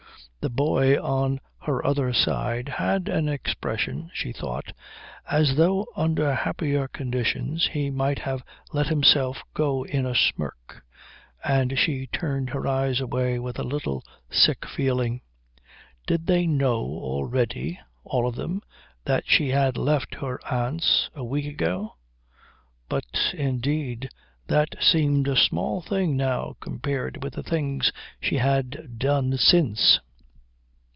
The boy on her other side had an expression, she thought, as though under happier conditions he might have let himself go in a smirk, and she turned her eyes away with a little sick feeling. Did they know already, all of them, that she had left her aunt's a week ago? But, indeed, that seemed a small thing now compared with the things she had done since.